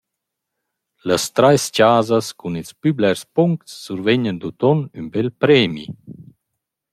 Las trais chasas cun ils plü blers puncts survegnan d’utuon ün bel premi.